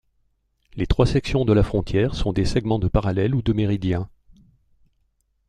Les trois sections de la frontière sont des segments de parallèle ou de méridien.